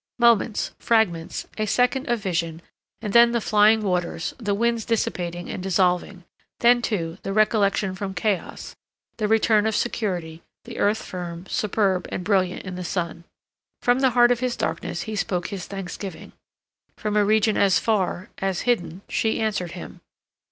Moments, fragments, a second of vision, and then the flying waters, the winds dissipating and dissolving; then, too, the recollection from chaos, the return of security, the earth firm, superb and brilliant in the sun. From the heart of his darkness he spoke his thanksgiving; from a region as far, as hidden, she answered him.